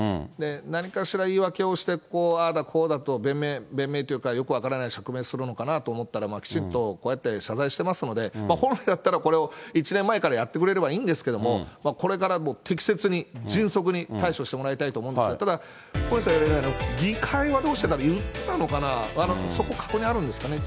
何かしら言い訳をしてああだこうだと弁明、弁明というかよく分からない釈明するのかなと思ったら、きちっとこうやって謝罪してますので、本来だったらこれを１年前からやってくれればいいんですけれども、これから適切に、迅速に、対処してもらいたいと思いますが、ただ、小西さん言われるように、議会はどうしてたのかな、いったのかな、そこ確認あるんですかね。